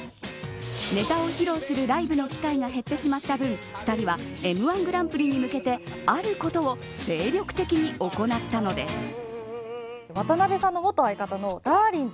ネタを披露するライブの機会が減ってしまった分２人はМ‐１グランプリに向けてあることを精力的に行ったのです。